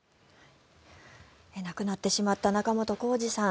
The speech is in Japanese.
亡くなってしまった仲本工事さん